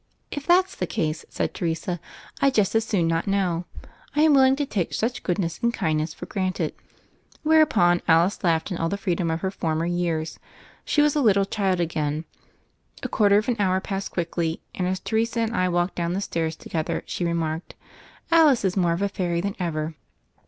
"If that's the case," said Teresa, "Fd just as soon not know. I am willing to take such goodness and kindness for granted." Whereupon Alice laughed in all the freedom of her former years. She was a little child again. A quarter of an hour passed quickly, and as Teresa and I walked down the stairs to gether she remarked: "Alice is more of a fairy than ever."